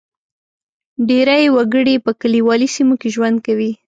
ډېری وګړي په کلیوالي سیمو کې ژوند کوي.